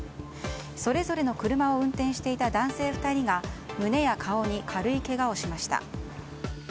それぞれの車を運転していた男性２人が胸や顔に軽いけがをしました。